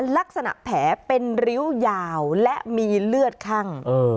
ลักษณะแผลเป็นริ้วยาวและมีเลือดคั่ง